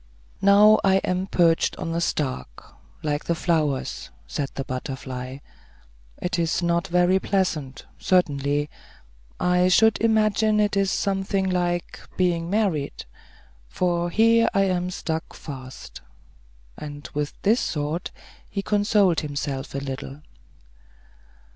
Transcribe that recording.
"Now I am perched on a stalk, like the flowers," said the butterfly. "It is not very pleasant, certainly; I should imagine it is something like being married; for here I am stuck fast." And with this thought he consoled himself a little.